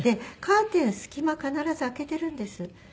カーテン隙間必ず開けてるんです。